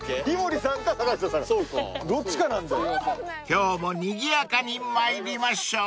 ［今日もにぎやかに参りましょう］